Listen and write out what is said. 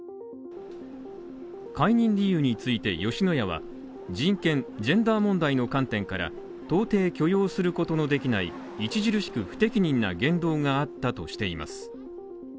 解任理由について吉野家は、人権、ジェンダー問題の観点から到底許容することのできない著しく不適任な言動があったとしています